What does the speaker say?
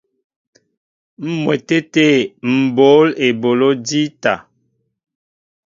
M̀wɛtê tê m̀ bǒl eboló jíta.